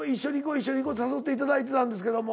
「一緒に行こう」って誘っていただいてたんですけど。